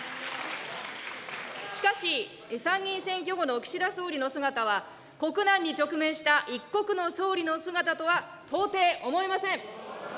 しかし参議院選挙後の岸田総理の姿は、国難に直面した一国の総理の姿とは到底思えません。